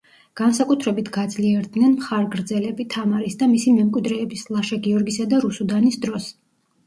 განსაკუთრებით გაძლიერდნენ მხარგრძელები თამარის და მისი მემკვიდრეების ლაშა გიორგისა და რუსუდანის დროს.